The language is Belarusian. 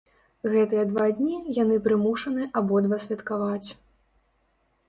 Гэтыя два дні яны прымушаны абодва святкаваць.